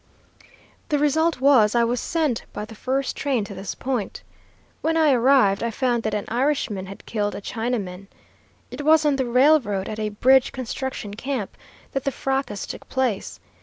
The result was, I was sent by the first train to this point. When I arrived I found that an Irishman had killed a Chinaman. It was on the railroad, at a bridge construction camp, that the fracas took place.